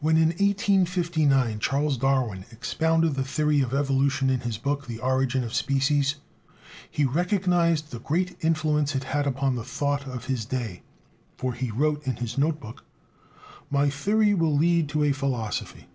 When in 1859 Charles Darwin expounded the theory of evolution in his book, "The Origin of Species," he recognized the great influence it had had upon the thought of his day, for he wrote in his note book: "My theory will lead to a philosophy."